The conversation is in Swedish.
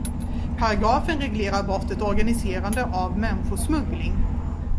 Paragrafen reglerar brottet organiserande av människosmuggling.